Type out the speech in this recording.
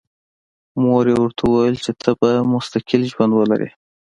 مور یې ورته وویل چې ته به مستقل ژوند ولرې